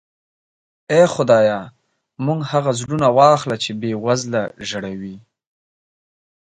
اې خدایه موږ هغه زړونه واخله چې بې وزله ژړوي.